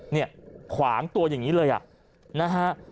เนี่ยขวางตัวอย่างนี้เลยอ่ะนะฮะ